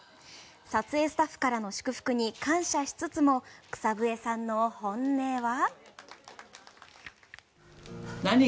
撮影スタッフからの祝福に感謝しつつも草笛さんの本音は。